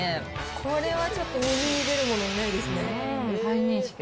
これはちょっと右に出るものいないですね。